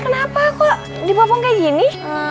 kenapa kok di bawah kayak gini